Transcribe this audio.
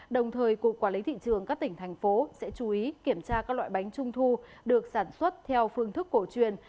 đồng thời cục quản lý thị trường các tỉnh thành phố sẽ chú ý kiểm tra các loại bánh trung thu được sản xuất theo phương thức cổ truyền